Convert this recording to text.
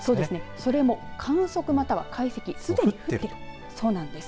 それも観測または解析すでに降ってるということです。